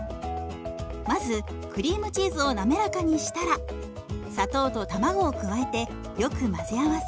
まずクリームチーズを滑らかにしたら砂糖と卵を加えてよく混ぜ合わせ